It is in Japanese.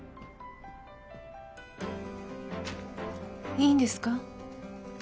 いいんですか。